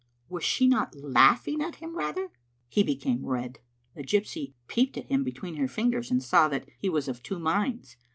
Was she not laugh ing at him rather? He became red. The gypsy peeped at him between her fingers, and saw that he was of two minds.